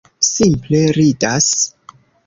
Simple ridas!